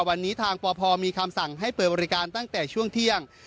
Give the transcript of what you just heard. วันนี้ทางปพมีคำสั่งให้เปิดบริการตั้งแต่ช่วงเที่ยง